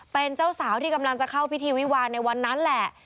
เป็นเจ้าสาวที่กำลังจะเข้าพิธีวิวาลในวันนั้นแหละ